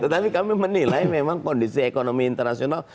tetapi kami menilai memang kondisi ekonomi internasional